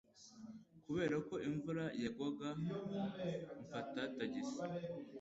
Kubera ko imvura yagwaga, mfata tagisi.